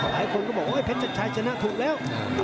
หลายคนก็บอกเฮ้ยเพชรชายชนะถูกแล้ว